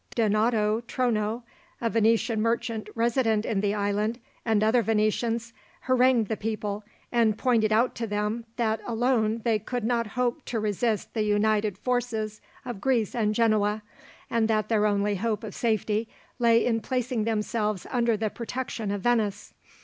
Donato Trono, a Venetian merchant resident in the island, and other Venetians, harangued the people, and pointed out to them that alone they could not hope to resist the united forces of Greece and Genoa, and that their only hope of safety lay in placing themselves under the protection of Venice.